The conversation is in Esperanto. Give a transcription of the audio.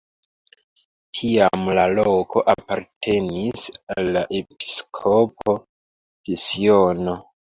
Tiam la loko apartenis al la episkopo de Siono.